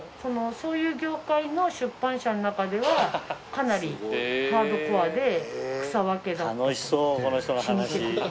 そういう業界の出版社の中ではかなりハードコアで草分けだった。